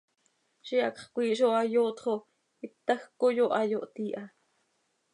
Ziix hacx cmiih zo hayooht xo ítajc coi oo hayooht iiha.